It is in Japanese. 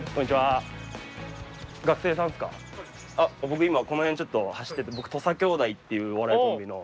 僕今この辺ちょっと走ってて土佐兄弟っていうお笑いコンビの。